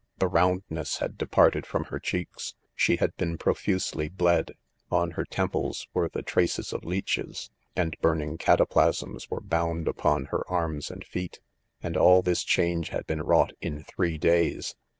The roundness had departed from her cheeks; she'faadibeen profusely bled — on her temples were the tra ces of leeches ; and burning cataplasms were bound upon her arms and feet.. And all this change had been wrought in three days